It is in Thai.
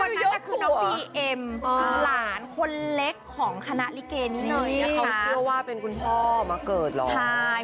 คนนั้นก็คือน้องพีเอ็มหลานคนเล็กของคณะลิเกนี้นี่ครับเค้าเชื่อว่าเป็นคุณพ่อมาเกิดแล้ว